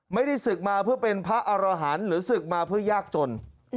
ไม่ได้ศึกมาเพื่อเป็นพระอารหันต์หรือศึกมาเพื่อยากจน